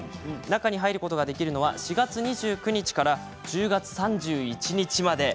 中に入ることができるのは４月２９日から１０月３１日まで。